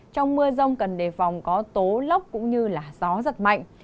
trong mưa rông cần đề phòng có tố lốc cũng như gió giật mạnh